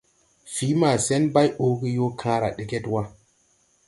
Fii masen bày ɔɔge yoo kããra deged wa.